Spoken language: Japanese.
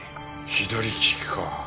左利きか。